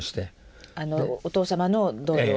お父様の同僚の？